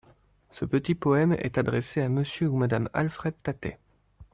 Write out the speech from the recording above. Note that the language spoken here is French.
Ce petit poème est adressé à Monsieur ou à Madame Alfred Tattet.